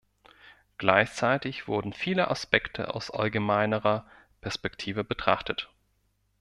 Gleichzeitig wurden viele Aspekte aus allgemeinerer Perspektive betrachtet.